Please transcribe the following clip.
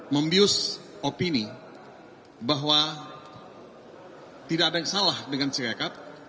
membius opini bahwa tidak ada yang salah dengan sirekat